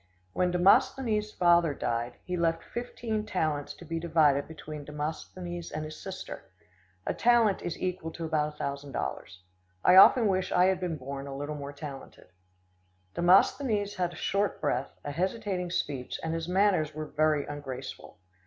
When Demosthenes' father died, he left fifteen talents to be divided between Demosthenes and his sister. A talent is equal to about $1,000. I often wish I had been born a little more talented. Demosthenes had a short breath, a hesitating speech, and his manners were very ungraceful.